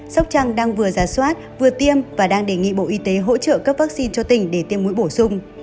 sóc trăng đang vừa ra soát vừa tiêm và đang đề nghị bộ y tế hỗ trợ các vaccine cho tỉnh để tiêm mũi bổ sung